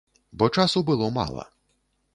Бо часу было мала.